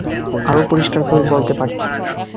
আরও পরিষ্কারভাবে বলতে পারতেন।